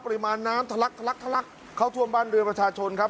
กริมาลน้ำทะลักเข้าท่วมบ้านเรือนประชาชนครับ